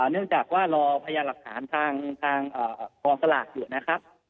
เนื่องจากว่ารอพยานหลักฐานทางกองสลากอยู่นะครับ